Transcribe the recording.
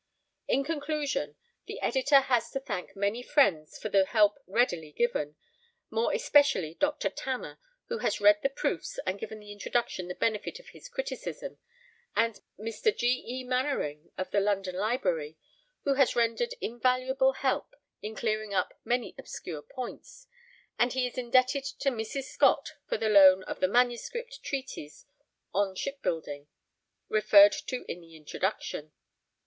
In conclusion the Editor has to thank many friends for the help readily given, more especially Dr. Tanner, who has read the proofs and given the Introduction the benefit of his criticism, and Mr. G. E. Manwaring, of the London Library, who has rendered invaluable help in clearing up many obscure points, and he is indebted to Mrs Scott for the loan of the MS. treatise on shipbuilding referred to in the Introduction.